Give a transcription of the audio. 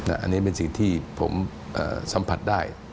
อันนี้เป็นสิ่งที่ผมสัมผัสได้